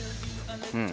うん。